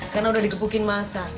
karena sudah dikepukin masa